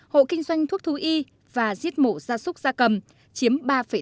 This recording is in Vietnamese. hộ kinh doanh thuốc thú y và giết mổ gia súc gia cầm chiếm ba tám